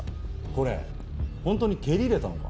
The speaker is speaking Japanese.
これホントに蹴り入れたのか？